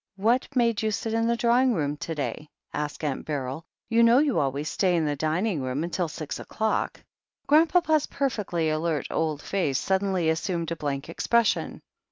"What made you sit in the drawing room to day?" asked Aunt Beryl. "You know you always stay in the dining room until six o'clock." Grandpapa's perfectly alert old face suddenly as sumed a blank expression.